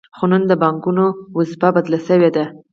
خو نن د بانکونو دنده بدله شوې ده